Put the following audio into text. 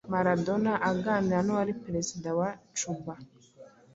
Maradona aganira n'uwari Perezida wa Cuba